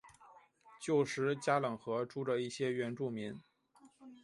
旧时加冷河住着一些原住民。